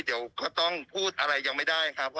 เดี๋ยวพูดอะไรยังไม่ได้ครับ